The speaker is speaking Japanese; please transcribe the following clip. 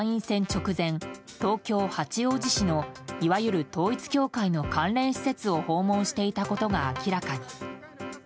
直前東京・八王子市のいわゆる統一教会の関連施設を訪問していたことが明らかに。